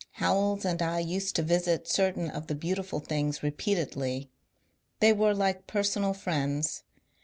Howells and I used to visit certain of the beautiful things repeatedly. They were like personal friends.